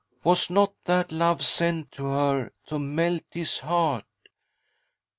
was not that love sent to her to melt his heart. ?